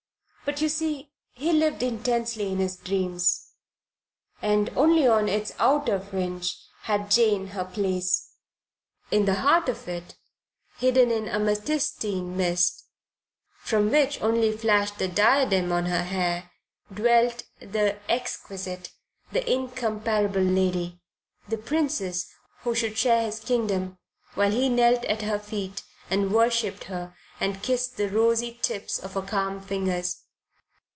But, you see, he lived intensely in his dream, and only on its outer fringe had Jane her place. In the heart of it, hidden in amethystine mist, from which only flashed the diadem on her hair, dwelt the exquisite, the incomparable lady, the princess who should share his kingdom, while he knelt at her feet and worshipped her and kissed the rosy tips of her calm fingers.